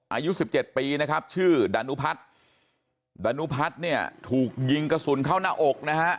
อายุ๑๗ปีนะครับชื่อดานุพัฒน์ดานุพัฒน์เนี่ยถูกยิงกระสุนเข้าหน้าอกนะฮะ